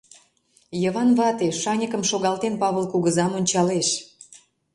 — Йыван вате, шаньыкым шогалтен, Павыл кугызам ончалеш.